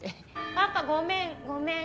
パパごめんごめん。